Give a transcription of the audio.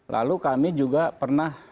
lalu kami juga pernah